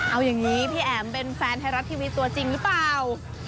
เอาอย่างนี้พี่แอ๋มเป็นแฟนไทยรัฐทีวีตัวจริงหรือเปล่า